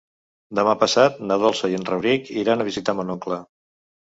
Demà passat na Dolça i en Rauric iran a visitar mon oncle.